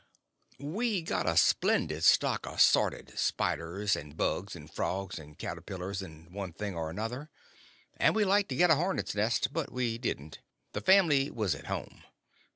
We got a splendid stock of sorted spiders, and bugs, and frogs, and caterpillars, and one thing or another; and we like to got a hornet's nest, but we didn't. The family was at home.